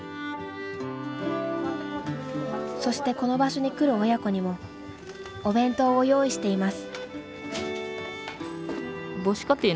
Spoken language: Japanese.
そしてこの場所に来る親子にもお弁当を用意しています。